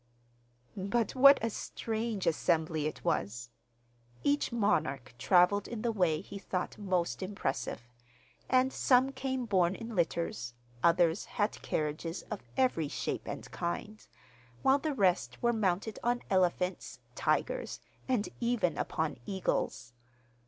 But what a strange assembly it was! Each monarch travelled in the way he thought most impressive; and some came borne in litters, others had carriages of every shape and kind, while the rest were mounted on elephants, tigers, and even upon eagles.